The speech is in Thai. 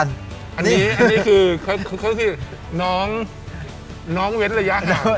อันนี้คือน้องเว้นระยะยาว